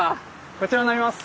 こちらになります。